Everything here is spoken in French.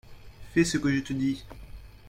fais ce que je te dis.